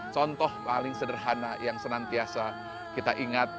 contoh paling sederhana yang senantiasa kita ingat